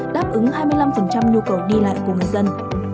đáp ứng hai mươi năm nhu cầu đi lại của người dân